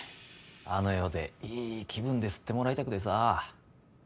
あの世でいい気分で吸ってもらいたくてさ。